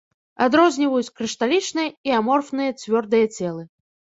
Адрозніваюць крышталічныя і аморфныя цвёрдыя целы.